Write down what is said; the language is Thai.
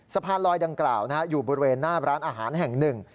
สะพานลอยดังกล่าวอยู่บริเวณหน้าร้านอาหารแห่งหนึ่ง